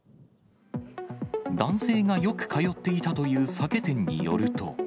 男性がよく通っていたという酒店によると。